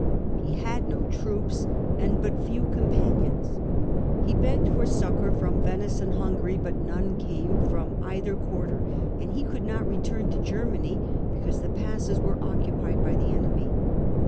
He had no troops, and but few companions. He begged for succour from Venice and Hungary, but none came from' either quarter, and he could not return to Germany because the passes were occupied by the enemy.